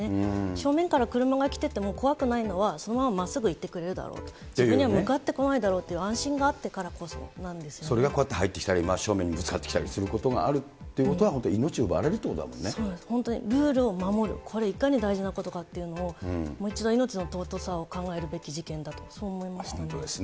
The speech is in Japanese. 正面から車が来てても怖くないのは、そのまままっすぐ行ってくれるだろう、自分には向かってこないだろうという安心があってからこそなんでそれがこうやって入ってきたり、真正面にぶつかってきたりすることがあるということは、本当命をそうです、本当にルールを守る、これ、いかに大事なことかというのも、もう一度命の尊さを考えるべき事本当ですね。